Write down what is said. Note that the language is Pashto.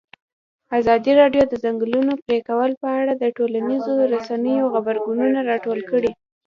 ازادي راډیو د د ځنګلونو پرېکول په اړه د ټولنیزو رسنیو غبرګونونه راټول کړي.